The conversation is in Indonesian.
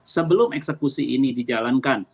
sebelum eksekusi ini dijalankan